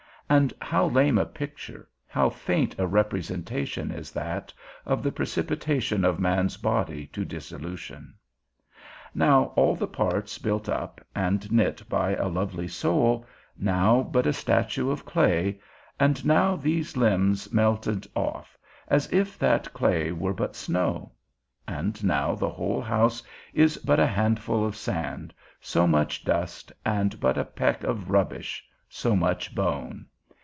and how lame a picture, how faint a representation is that, of the precipitation of man's body to dissolution? Now all the parts built up, and knit by a lovely soul, now but a statue of clay, and now these limbs melted off, as if that clay were but snow; and now the whole house is but a handful of sand, so much dust, and but a peck of rubbish, so much bone.